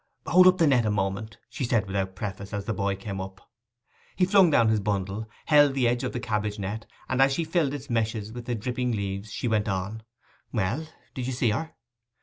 'Hold up the net a moment,' she said, without preface, as the boy came up. He flung down his bundle, held the edge of the cabbage net, and as she filled its meshes with the dripping leaves she went on, 'Well, did you see her?